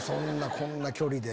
こんな距離で。